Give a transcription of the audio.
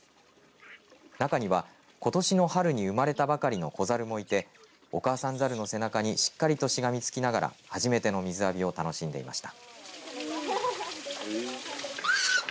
中にはことしの春に生まれたばかりの子猿もいてお母さん猿の背中にしがみつきながら初めての水浴びを楽しんでいました。